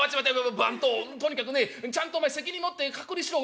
番頭とにかくねちゃんとお前責任持って隔離しろ分かったな？」。